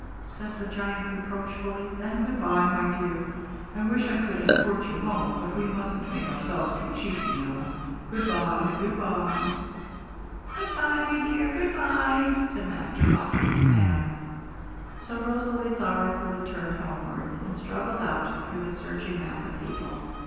said the giant reproachfully; 'then goodbye, my dear. I wish I could escort you home, but we mustn't make ourselves too cheap, you know. Good bye, good bye!' 'Good bye, my dear, good bye!' said Master Puck and Miss Mab. So Rosalie sorrowfully turned homewards, and struggled out through the surging mass of people.